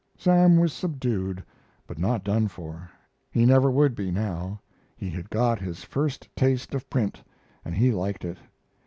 Sam was subdued, but not done for. He never would be, now. He had got his first taste of print, and he liked it.